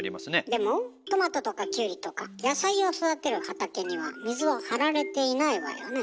でもトマトとかキュウリとか野菜を育てる畑には水は張られていないわよね？